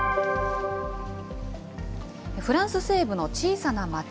フランス西部の小さな町。